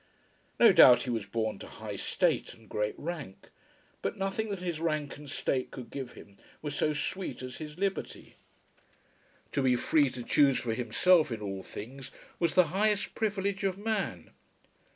No doubt he was born to high state and great rank, but nothing that his rank and state could give him was so sweet as his liberty. To be free to choose for himself in all things, was the highest privilege of man.